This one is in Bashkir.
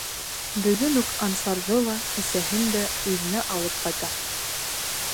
Бөгөн үк Ансарҙы ла, әсәһен дә үҙенә алып ҡайта.